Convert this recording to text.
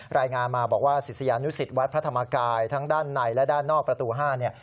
รายงานมาบอกว่าศิษยานุสิตวัดพระธรรมกายทั้งด้านในและด้านนอกประตู๕เนี่ย